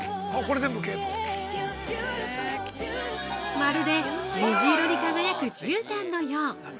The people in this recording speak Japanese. まるで虹色に輝くじゅうたんのよう！